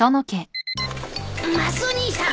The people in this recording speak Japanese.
マスオ兄さん